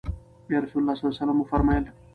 بيا رسول الله صلی الله عليه وسلم وفرمايل: